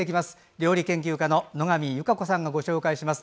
料理研究家の野上優佳子さんがご紹介します。